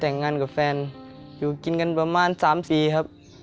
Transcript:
แต่งงานกับแฟนอยู่กินกันประมาณ๓ปีครับ